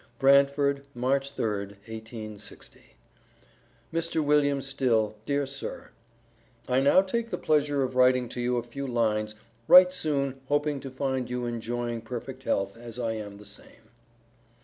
BRANTFORD, March 3d, 1860. MR. WILLIAM STILL, DEAR SIR: I now take the pleasure of writing to you a few lines write soon hoping to find you enjoying perfect health, as I am the same.